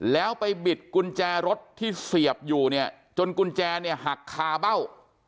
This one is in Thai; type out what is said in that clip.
แล้วไปบิดกุญแจรถที่เสียบอยู่เนี่ยจนกุญแจเนี่ยหักคาเบ้า